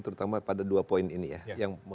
terutama pada dua poin ini ya